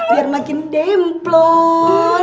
biar makin demplon